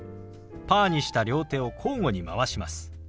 パーにした両手を交互に回します。